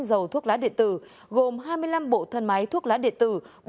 tinh dầu thuốc lá địa tử gồm hai mươi năm bộ thân máy thuốc lá địa tử